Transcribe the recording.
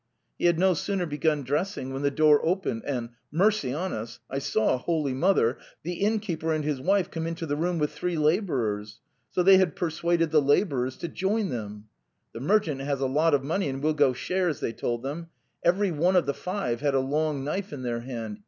He had no sooner begun dressing when the door opened and, mercy on us! I saw, Holy Mother! the inn keeper and his wife come into the room with three labourers. ... So they had persuaded the labour ers to join them. 'The merchant has a lot of money, and we'll go shares,' they told them. Every one of the five had a long knife in their hand...